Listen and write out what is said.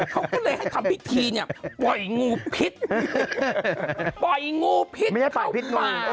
เขาก็เลยให้ทำพิธีนี่ปล่อยงูพิษ